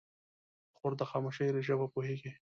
خور د خاموشۍ ژبه پوهېږي.